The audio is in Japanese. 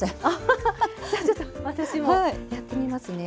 じゃあちょっと私もやってみますね。